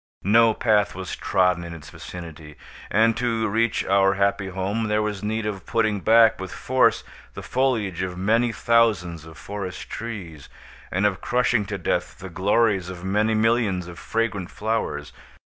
No path was trodden in its vicinity; and, to reach our happy home, there was need of putting back, with force, the foliage of many thousands of forest trees, and of crushing to death the glories of many millions of fragrant flowers.